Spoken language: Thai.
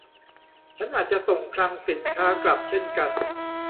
ฉันอาจจะส่งคลังสินค้ากลับเช่นกัน